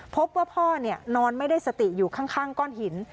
พบว่าพ่อนอนไม่ได้สติอยู่ข้างก้อนหิน